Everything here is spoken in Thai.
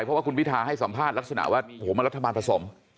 เพราะว่าคุณพิทาให้สัมภาษณ์ลักษณะว่าโอ้โหมันรัฐบาลผสม